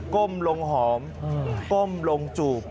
ก้มลงหอมก้มลงจูบ